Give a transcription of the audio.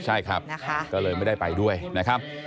ใช่ครับก็เลยไม่ได้ไปด้วยนะครับ